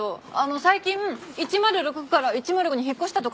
最近１０６から１０５に引っ越したとかないですよね？